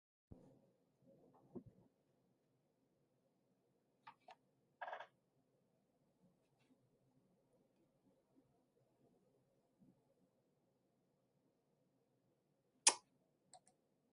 Jim da Mike sun jefa kwallon baya da gaba.